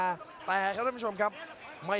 ไม่ยอมง่ายง่ายอยู่แล้วครับสำหรับท่านรุ่นพี่อย่างฟ้าสัง